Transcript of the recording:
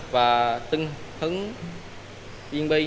và tưng hứng viên bi